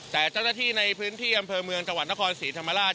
แต่เจ้าหน้าที่ในพื้นที่อำเภอเมืองจังหวัดนครศรีธรรมราช